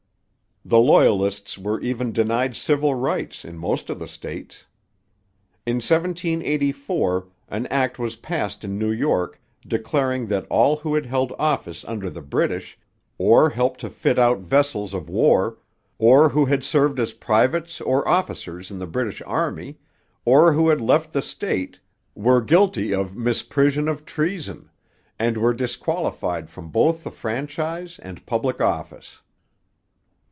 The Loyalists were even denied civil rights in most of the states. In 1784 an act was passed in New York declaring that all who had held office under the British, or helped to fit out vessels of war, or who had served as privates or officers in the British Army, or who had left the state, were guilty of 'misprision of treason,' and were disqualified from both the franchise and public office.